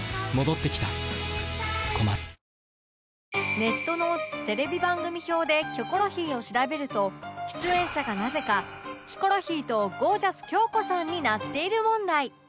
ネットのテレビ番組表で『キョコロヒー』を調べると出演者がなぜかヒコロヒーとゴージャス京子さんになっている問題